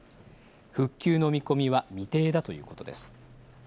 復旧の見込みは未定だということです。